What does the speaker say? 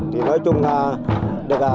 thì nói chung là